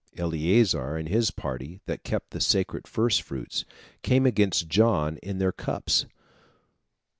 Eleazar and his party, that kept the sacred first fruits, came against John in their cups.